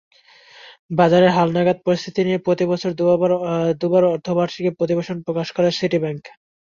বাজারের হালনাগাদ পরিস্থিতি নিয়ে প্রতিবছরে দুবার অর্ধবার্ষিক প্রতিবেদন প্রকাশ করে সিটিব্যাংক।